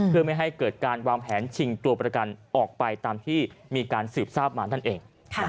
เพื่อไม่ให้เกิดการวางแผนชิงตัวประกันออกไปตามที่มีการสืบทราบมานั่นเอง